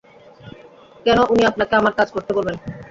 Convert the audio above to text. কেন উনি আপনাকে আমার কাজ করতে বলবেন?